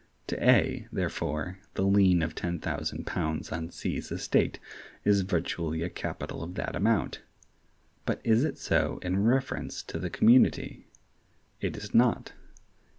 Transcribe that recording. To A, therefore, the lien of ten thousand pounds on C's estate is virtually a capital of that amount; but is it so in reference to the community? It is not.